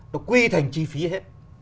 nó quy thành chi phí hết